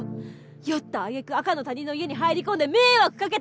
酔った揚げ句赤の他人の家に入り込んで迷惑かけた事も。